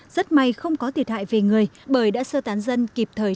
rất may không có thiệt hại về người bởi đã sơ tán dân kịp thời